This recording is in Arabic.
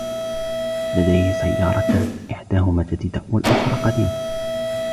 لديه سياراتان ، إحداهما جديدة و الأخرى قديمة.